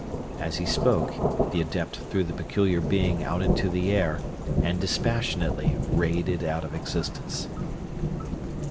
As he spoke the adept threw the peculiar being out into the air and dispassionately rayed it out of existence.